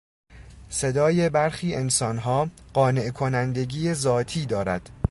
صدای برخی انسانها قانع کنندگی ذاتی دارد.